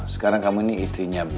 sekarang kamu ini istrinya